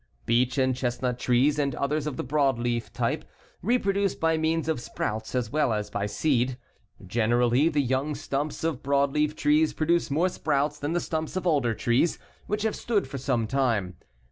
Beech and chestnut trees and others of the broad leaved type reproduce by means of sprouts as well as by seed. Generally, the young stumps of broad leaved trees produce more sprouts than the stumps of older trees which have stood for some time.